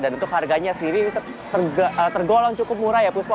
dan untuk harganya sendiri tergolong cukup murah ya puspa